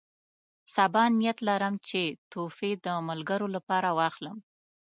سبا نیت لرم چې تحفې د ملګرو لپاره واخلم.